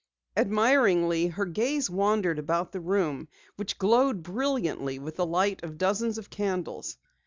Admiringly, her gaze wandered about the room which glowed brilliantly with the light of dozens of candles.